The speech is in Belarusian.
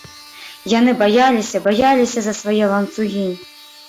Яны баяліся, баяліся за свае ланцугі.